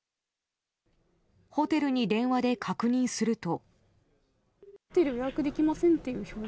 ホテルに電話で確認すると。